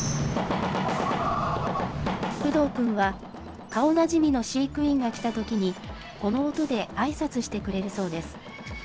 フドウくんは、顔なじみの飼育員が来たときに、この音であいさつしてくれるそうです。